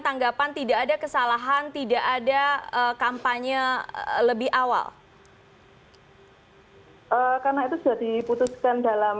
tanggapan tidak ada kesalahan tidak ada kampanye lebih awal karena itu sudah diputuskan dalam